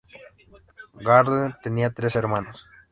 Gardner tenía tres hermanos.